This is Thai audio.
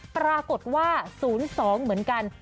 ปรากฏว่า๐๒เหมือนกัน